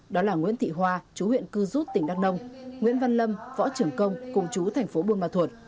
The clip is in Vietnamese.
đó là nguyễn thị hoa chú huyện cư rút tỉnh đắk nông nguyễn văn lâm võ trưởng công cùng chú thành phố buôn ma thuột